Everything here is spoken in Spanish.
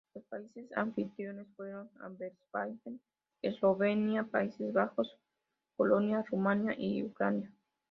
Los países anfitriones fueron Azerbaiyán, Eslovenia, Países Bajos, Polonia, Rumanía y Ucrania.